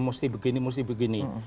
mesti begini mesti begini